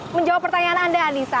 menjawab pertanyaan anda anissa